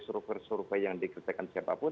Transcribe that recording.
survei survei yang dikerjakan siapapun